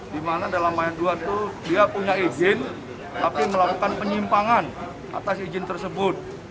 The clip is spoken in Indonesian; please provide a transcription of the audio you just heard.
di mana dalam ayat dua itu dia punya izin tapi melakukan penyimpangan atas izin tersebut